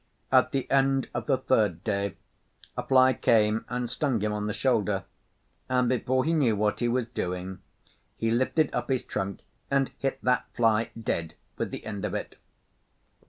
At the end of the third day a fly came and stung him on the shoulder, and before he knew what he was doing he lifted up his trunk and hit that fly dead with the end of it.